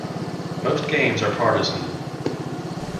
Most games are partisan.